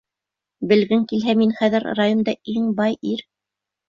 Белгең килһә, мин хәҙер районда иң бай ир!